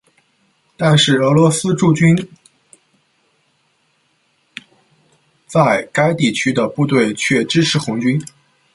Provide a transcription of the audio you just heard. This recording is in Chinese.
但是俄罗斯驻军在该地区的部队却支持红军。